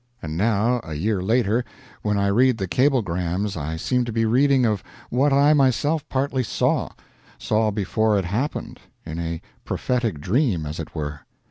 And now, a year later, when I read the cablegrams I seem to be reading of what I myself partly saw saw before it happened in a prophetic dream, as it were.